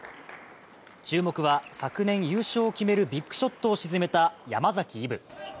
注目は、昨年優勝を決めるビッグショットを沈めた山崎一渉。